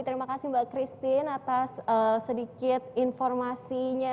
terima kasih mbak christine atas sedikit informasinya